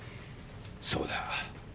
そうだ。